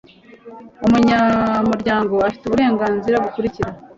umunyamuryango afite uburenganzira bukurikira